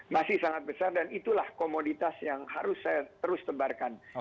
masih sangat besar dan itulah komoditas yang harus saya terus tebarkan